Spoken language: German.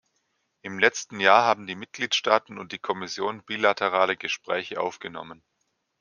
Im letzten Jahr haben die Mitgliedstaaten und die Kommission bilaterale Gespräche aufgenommen.